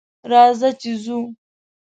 راځه ! چې ځو.